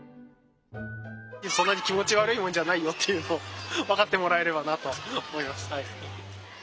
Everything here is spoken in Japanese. そんなに気持ち悪いもんじゃないよっていうのを分かってもらえればなと思います。